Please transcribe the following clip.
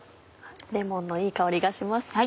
レモンのいい香りがします。